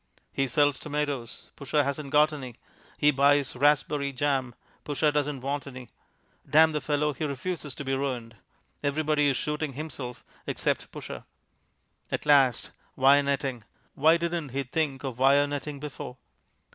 He sells Tomatoes. Pusher hasn't got any. He buys Raspberry Jam. Pusher doesn't want any. Damn the fellow, he refuses to be ruined. Everybody is shooting himself except Pusher. At last. Wire Netting! Why didn't he think of Wire Netting before?